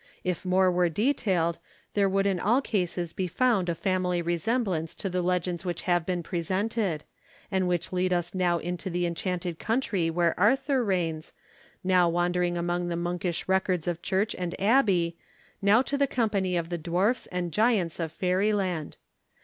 If more were detailed, there would in all cases be found a family resemblance to the legends which have been presented, and which lead us now into the enchanted country where Arthur reigns, now wandering among the monkish records of church and abbey, now to the company of the dwarfs and giants of fairyland.